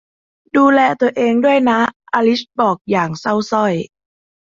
ดูแลตัวเองด้วยนะ อลิซบอกอย่างเศร้าสร้อย